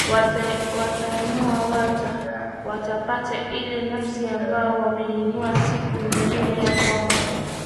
watanui wata watapata ile nafasi ambayo wameinuia siku nyingi ya kwamba